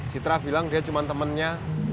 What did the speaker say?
citra bilang dia cuma temannya